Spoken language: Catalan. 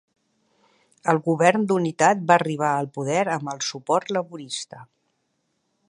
El Govern d'Unitat va arribar al poder amb el suport laborista.